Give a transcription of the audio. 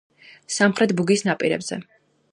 სამხრეთი ბუგის ნაპირებზე.